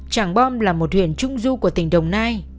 trảng bom là một huyện trung du của tỉnh đồng nai